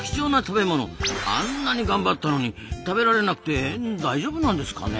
あんなに頑張ったのに食べられなくて大丈夫なんですかね？